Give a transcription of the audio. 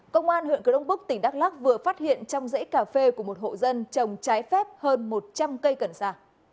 công an huyện cờ đông búc tỉnh đắk lắc vừa phát hiện trong dãy cà phê của một hộ dân trồng trái phép hơn một trăm linh cây cần sa